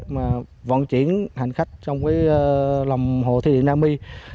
mà vận chuyển hành khách trong lòng hồ thủy địa đa my